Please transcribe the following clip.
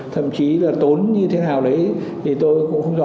thậm chí là tốn như thế nào đấy thì tôi cũng không nhỏ